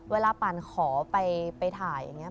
เวลาปันขอไปถ่ายอย่างนี้